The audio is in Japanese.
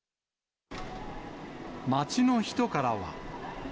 街の人からは。